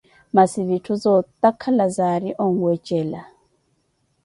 Masi vitthu zootakhala zaari onwecela.